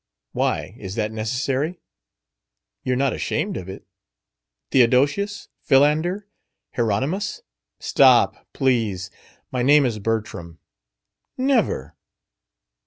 "Why, is that necessary?" "You're not ashamed of it? Theodosius? Philander? Hieronymus?" "Stop! please. My name is Bertram." "Never!"